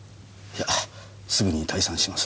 いやすぐに退散します。